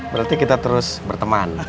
berarti kita terus berteman